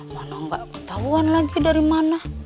mana gak ketauan lagi dari mana